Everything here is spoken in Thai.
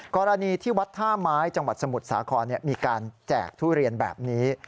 กรณีที่วัดท่าไม้จังหวัดสมุทรสาครมีการแจกทุเรียนแบบนี้